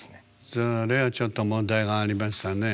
それはちょっと問題がありましたね。